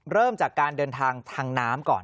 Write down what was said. เริ่มจากการเดินทางทางน้ำก่อน